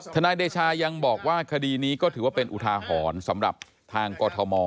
นายเดชายังบอกว่าคดีนี้ก็ถือว่าเป็นอุทาหรณ์สำหรับทางกรทม